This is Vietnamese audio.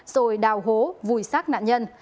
rồi đào hố vùi sát nạn nhân